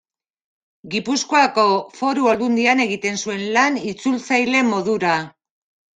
Gipuzkoako Foru Aldundian egiten zuen lan itzultzaile modura.